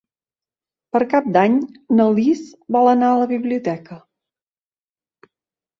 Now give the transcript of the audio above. Per Cap d'Any na Lis vol anar a la biblioteca.